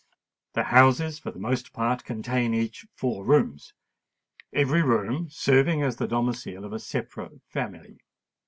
The houses for the most part contain each four rooms; every room serving as the domicile of a separate family.